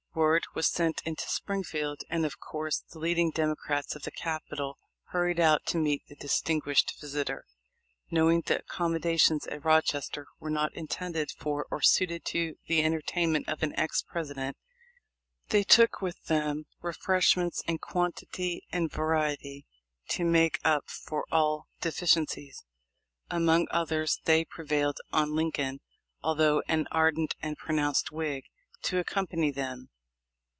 Word was sent into Springfield, and of course the leading Democrats of the capital hurried out to meet the distinguished visitor. Knowing the accommodations at Rochester were not intended for or suited to the entertainment of an ex President, they took with them refreshments in quantity and variety, to make up for all deficiencies. Among others, they prevailed on Lincoln, although an ardent and pronounced Whig, to accompany them.